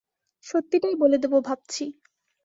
সত্যিটাই বলে দেবো ভাবছি।